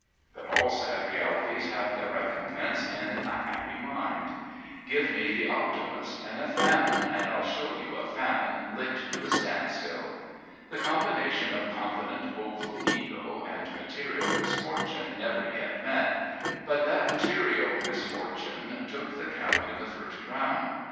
But all sad realities have their recompense in a happy mind. Give me the optimist and a famine and I'll show you a famine licked to a standstill. The combination of confident, hopeful ego and material misfortune never yet met, but that material misfortune took the count in the first round.